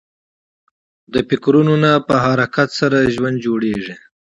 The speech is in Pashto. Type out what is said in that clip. د فکرو نه په حرکت سره ژوند جوړېږي.